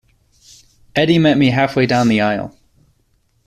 Eddie met me halfway down the aisle.